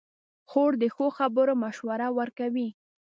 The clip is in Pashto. خور د ښو خبرو مشوره ورکوي.